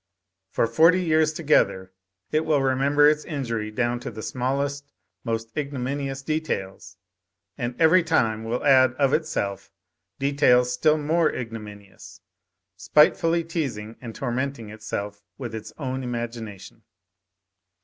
For forty years together it will remember its injury down to the smallest, most ignominious details, and every time will add, of itself, details still more ignominious, spitefully teasing and tormenting itself with its own imagination.